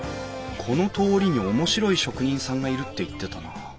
この通りに面白い職人さんがいるって言ってたな。